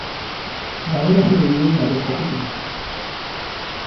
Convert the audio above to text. La obra se divide en varios capítulos